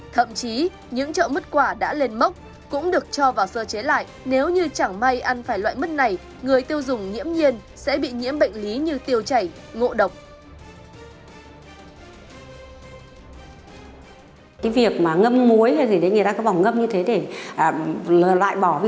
thậm chí những chợ mứt quả đã lên mốc cũng được cho vào sơ chế lại nếu như chẳng may ăn phải loại mứt này người tiêu dùng nghiễm nhiên sẽ bị nhiễm bệnh lý như tiêu chảy ngộ độc